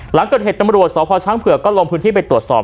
หลังเกิดเหตุตำรวจสพช้างเผือกก็ลงพื้นที่ไปตรวจสอบ